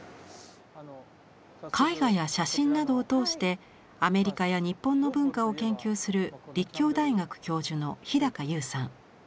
絵画や写真などを通してアメリカや日本の文化を研究する立教大学教授の日高優さん。